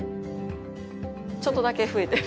ちょっとだけ増えてる。